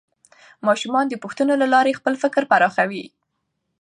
ماشومان د پوښتنو له لارې خپل فکر پراخوي